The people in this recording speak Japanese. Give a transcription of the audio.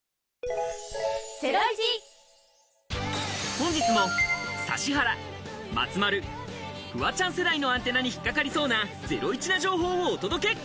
本日も指原、松丸、フワちゃん世代のアンテナに引っ掛かりそうなゼロイチな情報をお届け！